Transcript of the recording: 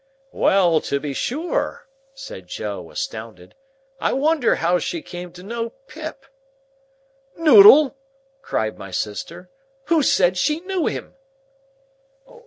"Well to be sure!" said Joe, astounded. "I wonder how she come to know Pip!" "Noodle!" cried my sister. "Who said she knew him?"